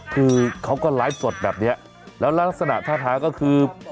คือเขาก็ไลฟ์สดแบบนี้แล้วลักษณะท่าทางก็คือ